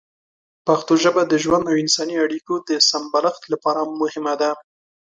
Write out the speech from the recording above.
پښتو ژبه د ژوند او انساني اړیکو د سمبالښت لپاره مهمه ده.